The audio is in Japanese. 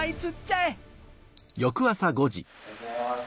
おはようございます。